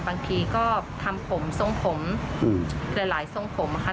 บางทีก็ทำผมทรงผมหลายทรงผมค่ะ